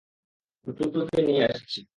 কুকুরগুলোকে নিয়ে আসছি।